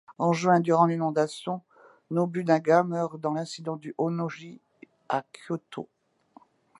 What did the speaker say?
En juin, durant l'inondation, Nobunaga meurt dans l'incident du Honnō-ji à Kyoto.